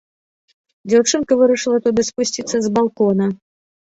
Дзяўчынка вырашыла туды спусціцца з балкона.